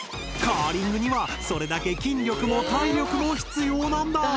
カーリングにはそれだけ筋力も体力も必要なんだ！